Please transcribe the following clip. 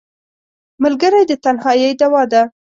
ملګری د تنهایۍ دواء ده